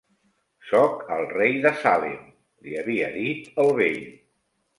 "Soc el rei de Salem", li havia dit el vell.